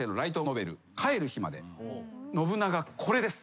信長これです。